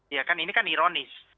ya kan ini kan ironis